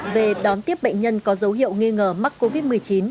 về đón tiếp bệnh nhân có dấu hiệu nghi ngờ mắc covid một mươi chín